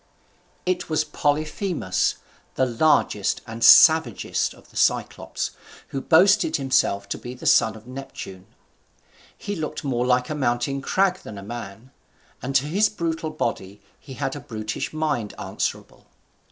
It was Polyphemus, the largest and savagest of the Cyclops, who boasted himself to be the son of Neptune. He looked more like a mountain crag than a man, and to his brutal body he had a brutish mind answerable.